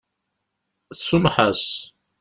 Tsumeḥ-as.